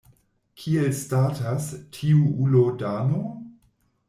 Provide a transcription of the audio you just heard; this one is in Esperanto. Kiel statas tiu ulo Dano?